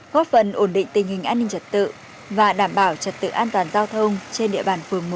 góp phần ổn định tình hình an ninh trật tự và đảm bảo trật tự an toàn giao thông trên địa bàn phường một